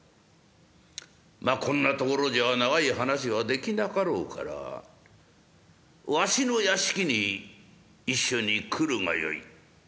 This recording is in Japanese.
まあこんな所じゃ長い話はできなかろうからわしの屋敷に一緒に来るがよい」。